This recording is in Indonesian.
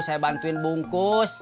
saya bantuin bungkus